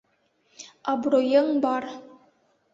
Абруйың бар!